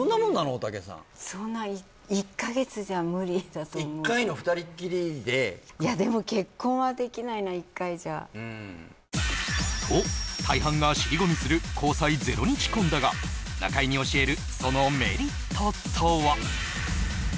大竹さんそんな１か月じゃ無理だと思う１回の２人っきりでいやでもと大半が尻込みする交際０日婚だが中居に教えるそのメリットとは？